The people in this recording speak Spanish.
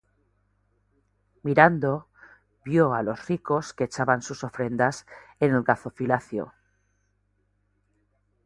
Mirando, vió á los ricos que echaban sus ofrendas en el gazofilacio.